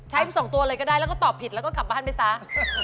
ทั้งสองตัวเลยก็ได้แล้วก็ตอบผิดแล้วก็กลับบ้านไปซะ